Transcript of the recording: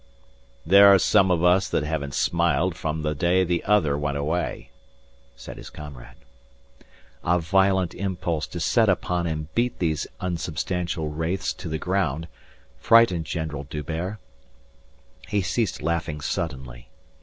"There are some of us that haven't smiled from the day the Other went away," said his comrade. A violent impulse to set upon and beat these unsubstantial wraiths to the ground frightened General D'Hubert. He ceased laughing suddenly.